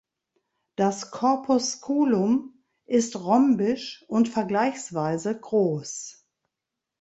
Das Corpusculum ist rhombisch und vergleichsweise groß.